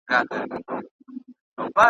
تا په پټه هر څه وکړل موږ په لوڅه ګناه کار یو .